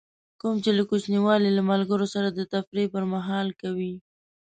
کوم چې له کوچنیوالي له ملګري سره د تفریح پر مهال کوئ.